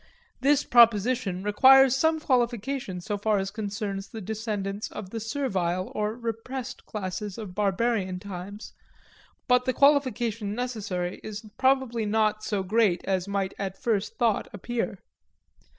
This proposition requires some qualification so far as concerns the descendants of the servile or repressed classes of barbarian times, but the qualification necessary is probably not so great as might at first thought appear.